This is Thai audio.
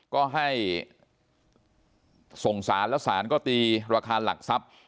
ก็ให้ส่งสารแล้วสารก็ตีราคาหลักทรัพย์